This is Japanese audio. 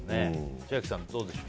千秋さん、どうでしょう。